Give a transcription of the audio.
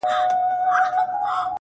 هغه ډنډ دی له دې ښار څخه دباندي -